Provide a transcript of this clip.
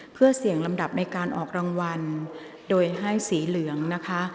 เพื่อเสี่ยงลำดับในการออกรางวัลโดยให้สีเหลืองนะคะ